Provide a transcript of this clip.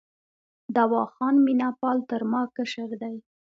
دوا خان مینه پال تر ما کشر دی.